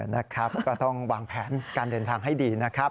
นะครับก็ต้องวางแผนการเดินทางให้ดีนะครับ